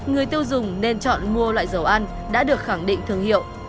người tiêu dùng nên chọn mua loại dầu ăn đã được khẳng định thương hiệu